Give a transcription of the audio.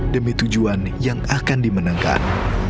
demi tujuan yang akan dimenangkan